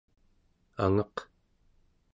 angeq